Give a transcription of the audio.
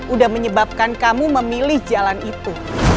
udah menyebabkan kamu memilih jalan itu